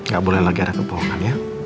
gak boleh lagi ada kebohongan ya